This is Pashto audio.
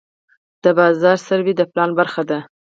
د بازار سروې د پلان برخه ده.